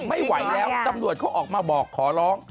ไม่ไหวแล้วตำรวจเขาออกมาบอกขอร้อง